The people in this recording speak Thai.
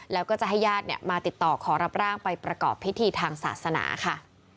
แล้วก็จะให้ญาติมาติดต่อขอรับร่างไปประกอบพิธีทางศาสนาค่ะ